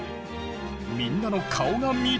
みんなの顔が見たい！